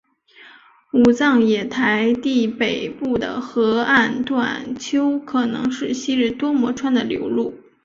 武藏野台地北部的河岸段丘可能是昔日多摩川的流路。